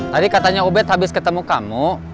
tadi katanya ubed habis ketemu kamu